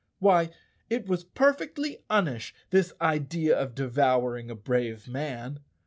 Why it was perfectly unish, this idea of devouring a brave man.